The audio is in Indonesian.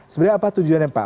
sebenarnya apa tujuannya pak